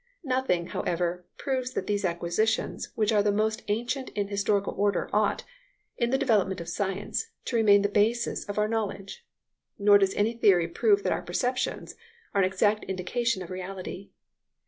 Nothing, however, proves that those acquisitions which are the most ancient in historical order ought, in the development of science, to remain the basis of our knowledge. Nor does any theory prove that our perceptions are an exact indication of reality.